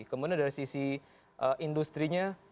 kemudian dari sisi industri